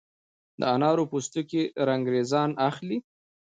د انارو پوستکي رنګریزان اخلي؟